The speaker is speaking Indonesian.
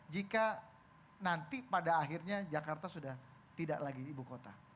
jika nanti pada akhirnya jakarta sudah tidak lagi ibu kota